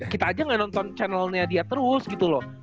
kita aja nggak nonton channelnya dia terus gitu loh